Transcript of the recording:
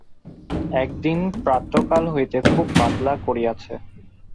একদিন প্রাতঃকাল হইতে খুব বাদলা করিয়াছে।